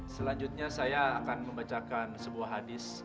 selanjutnya saya akan membacakan sebuah hadis